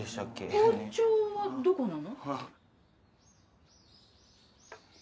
包丁はどこなの？